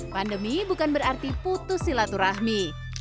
pandemi bukan berarti putus silaturahmi